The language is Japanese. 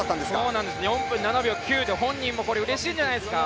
４分７秒９で本人もうれしいんじゃないですか？